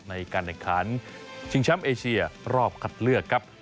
ในการแข่งขันชิงแชมป์เอเชียรอบคัดเลือกครับ